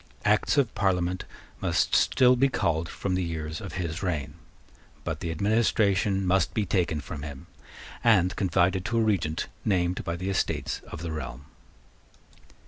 Acts of Parliament must still be called from the years of his reign. But the administration must be taken from him and confided to a Regent named by the Estates of the Realm.